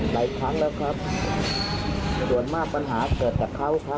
หลายครั้งแล้วครับส่วนมากปัญหาเกิดจากเขาครับ